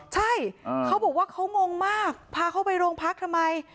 ใช่เขาบอกว่าเขางงมากพาเขาไปโรงพักทำไม